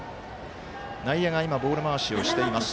内野が今ボール回しをしています。